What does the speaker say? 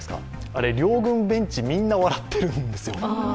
あれ、両軍ベンチ、みんな笑ってるんですよ。